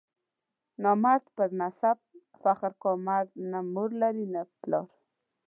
نامرد پر نسب فخر کا، مرد نه مور لري نه پلار.